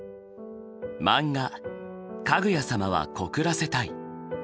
漫画「かぐや様は告らせたい」。